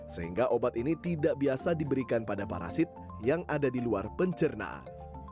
sehingga obat ini tidak biasa diberikan pada parasit yang ada di luar pencernaan